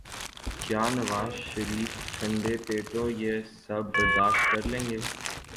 کیا نوازشریف ٹھنڈے پیٹوں یہ سب برداشت کر لیں گے؟